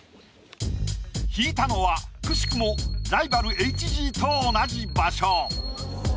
引いたのはくしくもライバルＨＧと同じ場所。